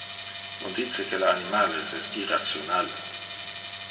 On dice que le animales es irrational.